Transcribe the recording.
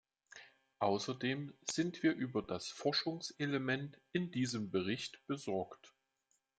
Außerdem sind wir über das Forschungselement in diesem Bericht besorgt.